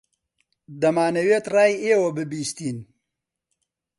دەمانەوێت ڕای ئێوە ببیستین.